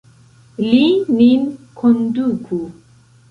Li nin konduku!